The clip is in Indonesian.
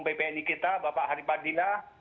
bpni kita bapak haripadila